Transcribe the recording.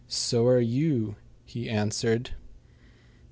"So are you," he answered.